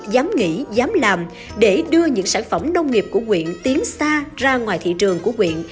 dám nghĩ dám làm để đưa những sản phẩm nông nghiệp của quyện tiến xa ra ngoài thị trường của quyện